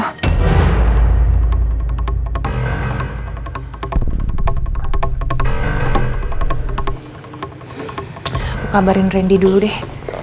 aku kabarin randy dulu deh